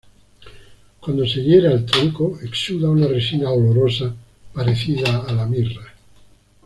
Cuando se hiere al tronco exuda una resina olorosa parecida a la mirra.